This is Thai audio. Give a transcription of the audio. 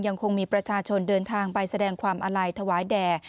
ยังคงมีประชาชนเดินทางไปแสดงความอาลัยถวายแด่